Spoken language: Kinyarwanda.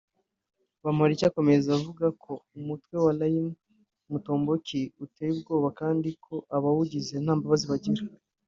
Bamporiki akomeza avuga ko umutwe wa Raia Mutomboki uteye ubwoba kandi ko abawugize nta mbabazi bagira